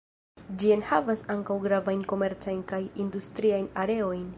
Ĝi enhavas ankaŭ gravajn komercajn kaj industriajn areojn.